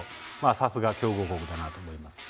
さすが、強豪国だなと思います。